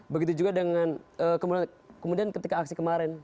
begitu juga dengan kemudian ketika aksi kemarin